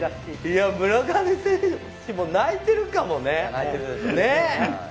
村上選手も泣いているかもね。